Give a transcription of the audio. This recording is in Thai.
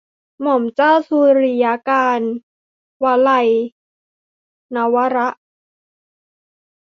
หม่อมเจ้าสุริยกานต์ - วลัย นวาระ